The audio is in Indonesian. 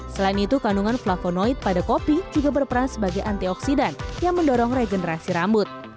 selain itu kandungan flavonoid pada kopi juga berperan sebagai antioksidan yang mendorong regenerasi rambut